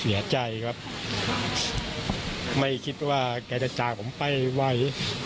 เสียใจครับไม่คิดว่าแกจะจากผมไปไว